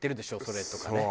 それ」とかね。